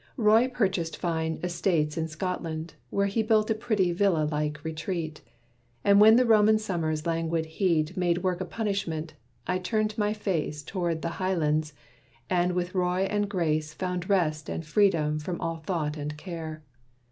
Roy purchased fine estates in Scotland, where He built a pretty villa like retreat. And when the Roman Summer's languid heat Made work a punishment, I turned my face Toward the Highlands, and with Roy and Grace Found rest and freedom from all thought and care.